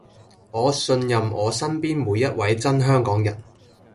我信任我身邊每一位真香港人